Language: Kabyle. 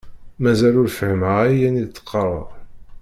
Mazal ur fhimeɣ ayen i d-teqqareḍ.